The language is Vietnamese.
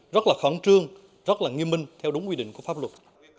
rất là khẩn trương rất là nghiêm minh theo đúng quy định của pháp luật